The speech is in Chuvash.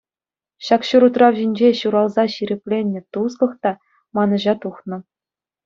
Ҫак ҫур утрав ҫинче ҫуралса ҫирӗпленнӗ туслӑх та манӑҫа тухнӑ.